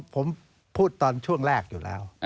ผมพูดตอนช่วงแรกอยู่แล้ว